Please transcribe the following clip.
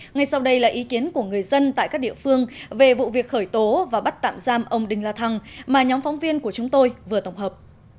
ngay sau đây là ý kiến của người dân tại các địa phương về vụ việc khởi tố và bắt tạm giam ông đinh la thăng mà nhóm phóng viên của chúng tôi vừa tổng hợp